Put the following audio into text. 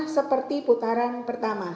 seperti putaran pertama